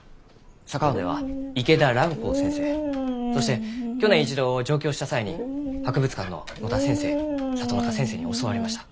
佐川では池田蘭光先生そして去年一度上京した際に博物館の野田先生里中先生に教わりました。